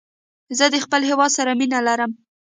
زه د خپل هېواد سره مینه لرم.